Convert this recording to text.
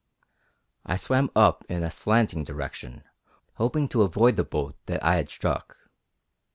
I swam up in a slanting direction, hoping to avoid the boat that I had struck.